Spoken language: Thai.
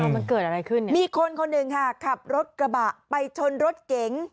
มันเกิดอะไรขึ้นเนี่ยมีคนคนหนึ่งค่ะขับรถกระบะไปชนรถเก๋ง